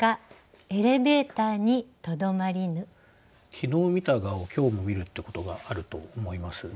昨日見た蛾を今日も見るってことがあると思います。